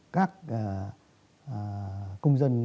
các công dân